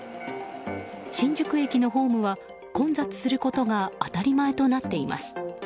新宿駅のホームが混雑することが当たり前となっています。